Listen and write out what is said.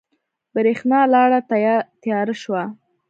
برېښنا لاړه تیاره شوه